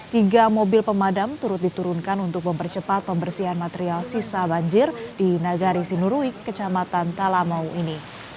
tiga mobil pemadam turut diturunkan untuk mempercepat pembersihan material sisa banjir di nagari sinuruik kecamatan talamau ini